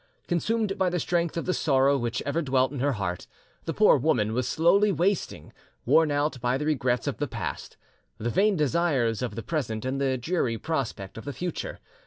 Consumed by the strength of the sorrow which ever dwelt in her heart, the poor woman was slowly wasting, worn out by the regrets of the past, the vain desires of the present, and the dreary prospect of the future.